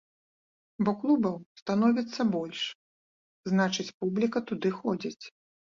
Бо клубаў становіцца больш, значыць публіка туды ходзіць.